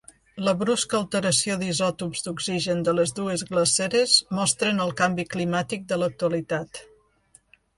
La brusca alteració d'isòtops d'oxigen de les dues glaceres mostren el canvi climàtic de l'actualitat.